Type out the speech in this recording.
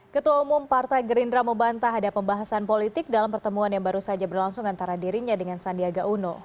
ketua umum partai gerindra membantah ada pembahasan politik dalam pertemuan yang baru saja berlangsung antara dirinya dengan sandiaga uno